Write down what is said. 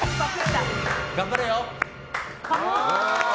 頑張れよ。